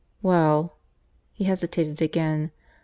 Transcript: "Well" (he hesitated again)